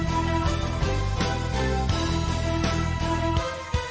ก็ไม่น่าจะดังกึ่งนะ